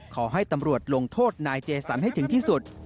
ขอให้ตำรวจลงโทษนายเจสันให้ถึงที่สุด